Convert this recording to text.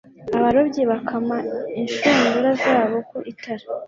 abarobyi bakama inshundura zabo ku itara